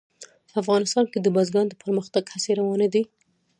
افغانستان کې د بزګان د پرمختګ هڅې روانې دي.